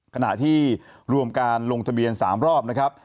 ขณะที่รวมการลงทะเบียน๓รอบนะครับ